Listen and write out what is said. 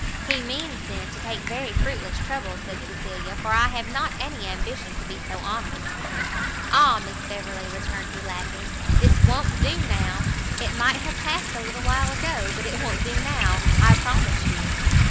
"He means, then, to take very fruitless trouble," said Cecilia, "for I have not any ambition to be so honoured." "Ah, Miss Beverley," returned he, laughing, "this won't do now! it might have passed a little while ago, but it won't do now, I promise you!"